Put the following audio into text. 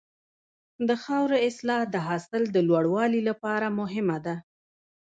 د خاورې اصلاح د حاصل د لوړوالي لپاره مهمه ده.